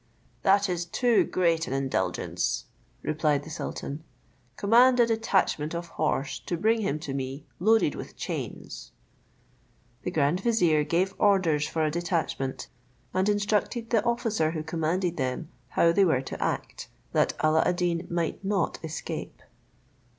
"That is too great an indulgence," replied the sultan: "command a detachment of horse to bring him to me loaded with chains." The grand vizier gave orders for a detachment, and instructed the officer who commanded them how they were to act, that Alla ad Deen might not escape.